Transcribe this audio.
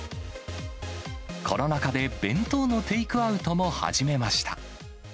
コロナ禍で弁当のテイクアウトも始めました。